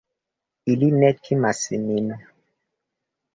Ili ne timas nin.